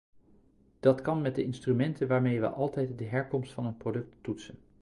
Dat kan met de instrumenten waarmee we altijd de herkomst van een product toetsen.